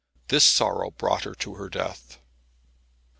This sorrow brought her to her death."